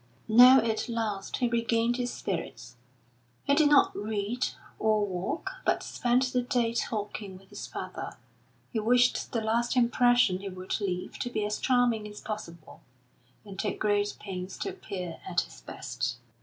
Now at last he regained his spirits. He did not read or walk, but spent the day talking with his father; he wished the last impression he would leave to be as charming as possible, and took great pains to appear at his best.